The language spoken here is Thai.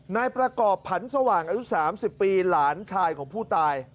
นายประกอบผันสว่างอายุ๓๐ปีหลานชายของผู้ตาย